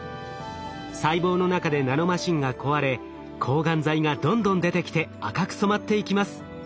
細胞の中でナノマシンが壊れ抗がん剤がどんどん出てきて赤く染まっていきます。